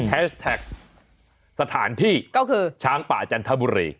แท็กสถานที่ก็คือช้างป่าจันทบุรี